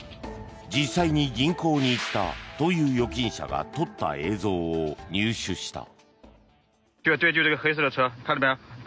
実際に銀行に行ったという預金者が撮った映像を入手した。